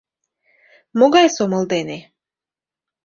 — Могай сомыл дене?